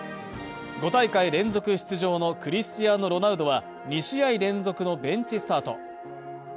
５大会連続出場のクリスチアーノ・ロナウドは２試合連続のベンチスタート。